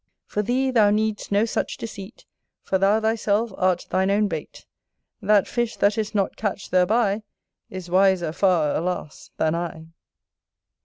For thee, thou need'st no such deceit, For thou thyself art shine own bait; That fish that is not catcht thereby, Is wiser afar, alas, than I.